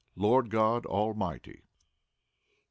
Lord God Al might y!